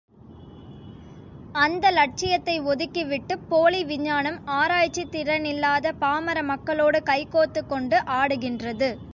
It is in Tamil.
அந்த லட்சியத்தை ஒதுக்கி விட்டுப் போலி விஞ்ஞானம் ஆராய்ச்சித் திறனில்லாத பாமர மக்களோடு கைகோத்துக் கொண்டு ஆடுகின்றது.